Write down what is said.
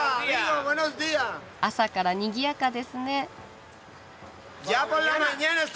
朝からにぎやかですね。